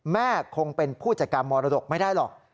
แม่คงเป็นผู้จัดการมรดกไม่ได้หรอก